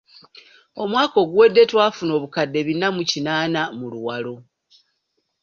Omwaka oguwedde twafuna obukadde bina mu kinaana mu Luwalo.